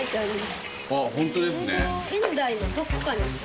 あっホントですね。